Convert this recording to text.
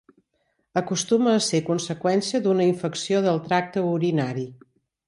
Acostuma a ser conseqüència d'una infecció del tracte urinari.